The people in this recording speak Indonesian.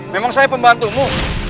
memang saya pembantumu